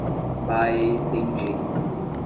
Baependi